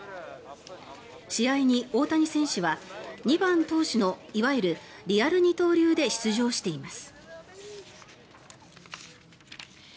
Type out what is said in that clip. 試合に大谷選手は２番投手のいわゆるリアル二刀流で出場しています。